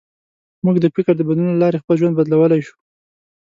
موږ د فکر د بدلون له لارې خپل ژوند بدلولی شو.